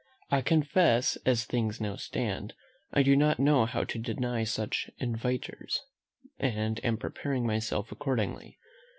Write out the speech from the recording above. I confess, as things now stand, I do not know how to deny such inviters, and am preparing myself accordingly.